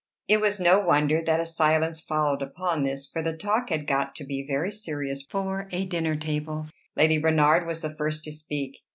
It was no wonder that a silence followed upon this; for the talk had got to be very serious for a dinner table. Lady Bernard was the first to speak.